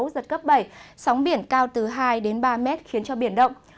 giật cấp bảy sóng biển cao từ hai đến ba mét khiến cho biển động